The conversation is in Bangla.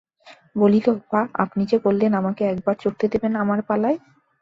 বলিল, বা, আপনি যে বললেন আমাকে একবার চড়তে দেবেন আমার পালায়?